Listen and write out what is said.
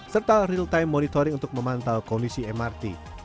serta real time monitoring untuk memantau kondisi mrt